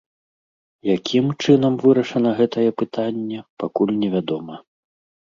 Якім чынам вырашана гэтае пытанне, пакуль невядома.